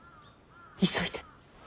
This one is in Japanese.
急いで。